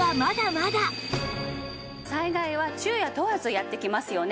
災害は昼夜問わずやって来ますよね。